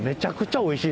おいしい？